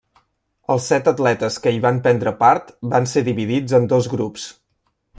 Els set atletes que hi van prendre part van ser dividits en dos grups.